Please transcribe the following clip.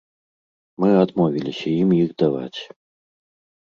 Мы адмовіліся ім іх даваць.